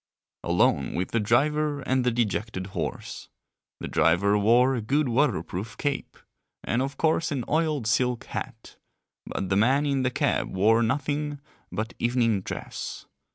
Alone with the driver and the dejected horse. The driver wore a good waterproof cape, and of course an oiled silk hat, but the man in the cab wore nothing but evening dress.